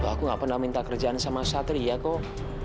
aku gak pernah minta kerjaan sama satria kok